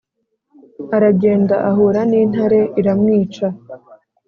Aragenda ahura n intare iramwica